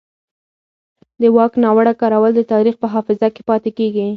د واک ناوړه کارول د تاریخ په حافظه کې پاتې کېږي